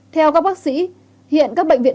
theo các bác sĩ hiện các bệnh viện